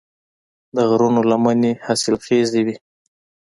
د غرونو لمنې حاصلخیزې وي.